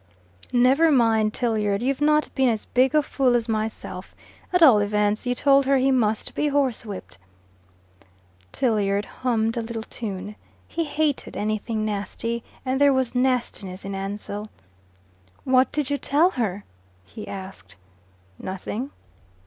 "Never mind, Tilliard. You've not been as big a fool as myself. At all events, you told her he must be horsewhipped." Tilliard hummed a little tune. He hated anything nasty, and there was nastiness in Ansell. "What did you tell her?" he asked. "Nothing."